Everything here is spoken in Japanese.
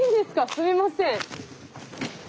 すいません。